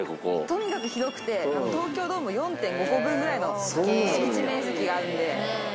とにかく広くて東京ドーム４．５個分ぐらいの敷地面積があるんで。